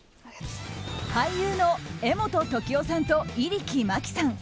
俳優の柄本時生さんと入来茉里さん。